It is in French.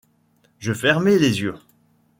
Je fermais les yeux.